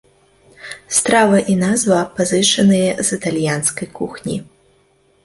Страва і назва пазычаныя з італьянскай кухні.